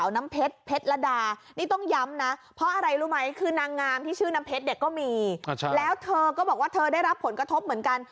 น้ำเพชรเด็กก็มีแล้วเธอก็บอกว่าเธอได้รับผลกระทบเหมือนกัน